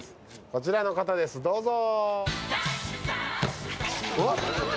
こちらの方です、どうぞ。